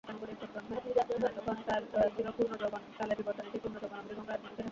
আপনি জানতেও পারবেন না তারা কখন ঝাপিঁয়ে পড়ে।